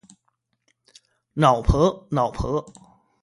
脑婆脑婆